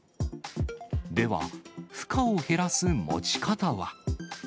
では、負荷を減らす持ち方は。